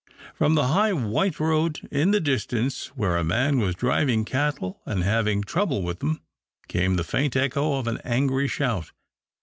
From the high white road in the dis ance, where a man was driving^ cattle, and aving trouble w^itli them, came the faint echo f an angry shout.